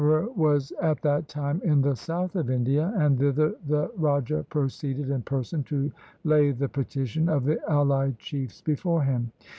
The Emperor was at that time in the south of India, and thither the raja proceeded in person to lay the petition of the allied chiefs before him.